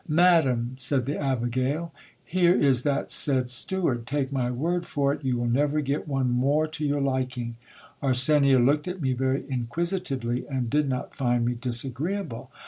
Ma dam, said the abigail, here is that said steward ; take my word for it, you will never get one more to your liking. Arsenia looked at me very inquisitively, and did not find me disagreeable.